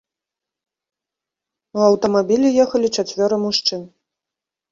У аўтамабілі ехалі чацвёра мужчын.